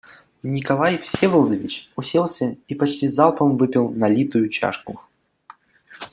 Николай Всеволодович уселся и почти залпом выпил налитую чашку.